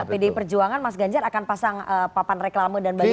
pdi perjuangan mas ganjar akan pasang papan reklama dan banyo bersama dengan presiden